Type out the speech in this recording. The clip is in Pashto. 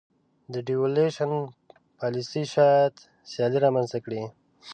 د devaluation پالیسي شاید سیالي رامنځته کړي.